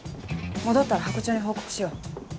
戻ったらハコ長に報告しよう。